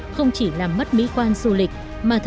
không chỉ làm mất mỹ quan du lịch